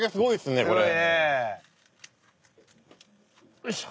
よいしょ。